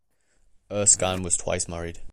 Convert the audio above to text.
Erskine was twice married.